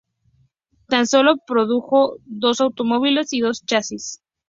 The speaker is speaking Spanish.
Tan sólo produjo dos automóviles y dos chasis.